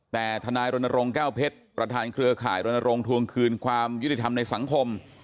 แต่ทนายรณรงค์แก้วเพชรประธานเครือข่ายรณรงค์ทวงคืนความยุติธรรมในสังคม